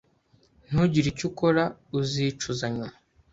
Ntugire icyo ukora uzicuza nyuma